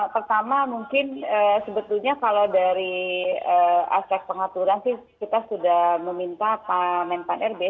pertama mungkin sebetulnya kalau dari aspek pengaturan sih kita sudah meminta pak menpan rb